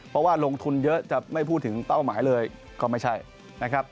เพราะว่าลงทุนเยอะจะไม่พูดถึงเป้าหมายเลยก็ไม่ใช่นะครับ